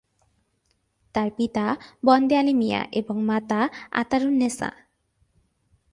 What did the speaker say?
তার পিতা বন্দে আলী মিয়া এবং মাতা আতারুন্নেসা।